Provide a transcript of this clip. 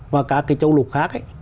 và cả cái châu lục khác